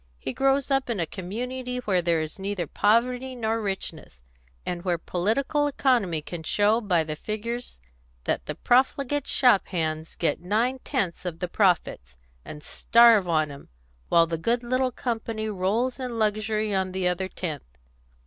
He grows up in a community where there is neither poverty nor richness, and where political economy can show by the figures that the profligate shop hands get nine tenths of the profits, and starve on 'em, while the good little company rolls in luxury on the other tenth.